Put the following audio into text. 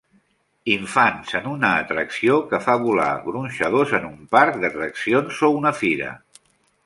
Infants en una atracció que fa volar gronxadors en un parc d'atraccions o una fira.